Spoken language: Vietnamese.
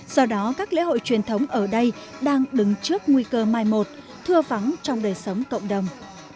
do đó các lễ hội truyền thống ở đây đang đứng trước nguy cơ mai một thua vắng trong đời sống cộng đồng